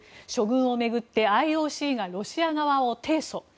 処遇を巡ってＩＯＣがロシア側を提訴。